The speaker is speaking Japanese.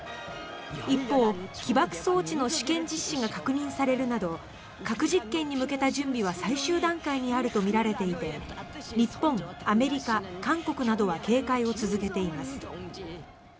一方、起爆装置の試験実施が確認されるなど核実験に向けた準備は最終段階にあるとみられていて日本、アメリカ、韓国などは警戒を続けています。